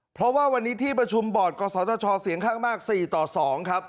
เพราะว่าวันนี้ที่ประชุมบอร์ดกศธชเสียงข้างมาก๔ต่อ๒ครับ